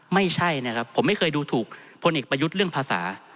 ไม่ใช่นะครับผมไม่เคยดูถูกพลเอกประยุทธ์เรื่องภาษา